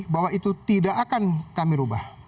bahwa itu tidak akan kami ubah